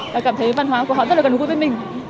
và cảm thấy văn hóa của họ rất là gần gũi với mình